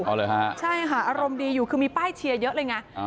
เอาเลยฮะใช่ค่ะอารมณ์ดีอยู่คือมีป้ายเชียร์เยอะเลยไง